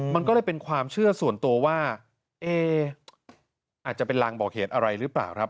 มันก็เลยเป็นความเชื่อส่วนตัวว่าเอ๊อาจจะเป็นรางบอกเหตุอะไรหรือเปล่าครับ